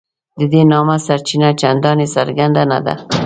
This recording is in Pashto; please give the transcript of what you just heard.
د دې نامه سرچینه چنداني څرګنده نه ده.